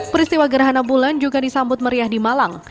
peristiwa gerhana bulan juga disambut meriah di malang